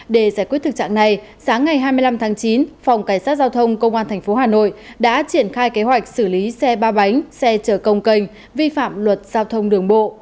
để giải quyết thực trạng này sáng ngày hai mươi năm tháng chín phòng cảnh sát giao thông công an tp hà nội đã triển khai kế hoạch xử lý xe ba bánh xe chở công cành vi phạm luật giao thông đường bộ